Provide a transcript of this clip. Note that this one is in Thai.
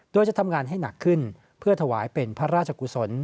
โดยจะทำงานให้หนักขึ้นเพื่อถวายเป็นพระราชกุศล